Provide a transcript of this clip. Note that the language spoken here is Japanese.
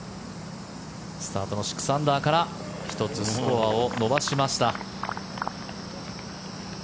スタートの６アンダーから１つスコアを伸ばしました。